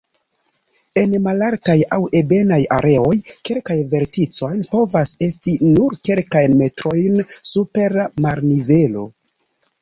En malaltaj aŭ ebenaj areoj kelkaj verticoj povas esti nur kelkajn metrojn super marnivelo.